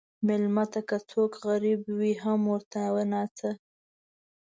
مېلمه ته که څوک غریب وي، هم ورته وناځه.